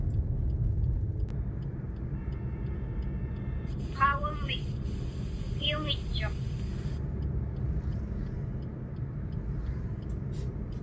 Qaugaŋmik kukiuŋitchuq.